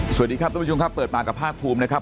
สวัสดีครับทุกผู้ชมครับเปิดปากกับภาคภูมินะครับ